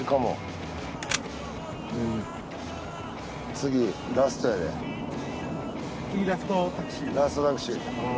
次ラストタクシー。